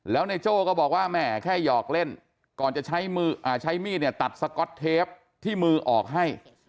แล้วนายโจ้ก็บอกว่าแม่แค่หยอกเล่นก่อนจะใช้มือใช้มีดเนี่ยตัดสก๊อตเทปที่มือออกให้